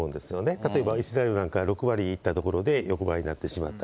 例えばイスラエルなんか６割いったところで横ばいになってしまった。